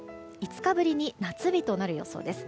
５日ぶりに夏日となる予想です。